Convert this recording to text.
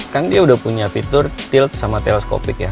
kan dia udah punya fitur tilt sama telescopic ya